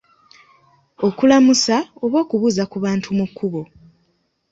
Okulamusa oba okubuuza ku bantu mu kkubo.